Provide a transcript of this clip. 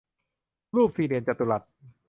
รูปสี่เหลี่ยมจัตุรัส